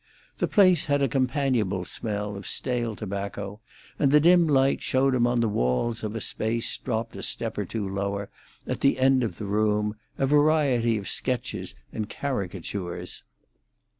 The place had a companionable smell of stale tobacco, and the dim light showed him on the walls of a space dropped a step or two lower, at the end of the room, a variety of sketches and caricatures.